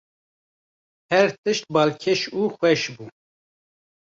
Her tişt balkêş û xweş bû.